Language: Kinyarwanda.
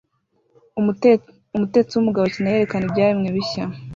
Umutetsi wumugabo akina yerekana ibyaremwe bishya